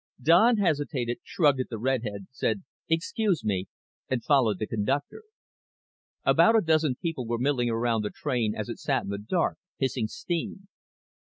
Don hesitated, shrugged at the redhead, said, "Excuse me," and followed the conductor. About a dozen people were milling around the train as it sat in the dark, hissing steam.